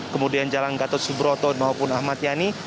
kemudian jalan gatot subroto maupun ahmad yani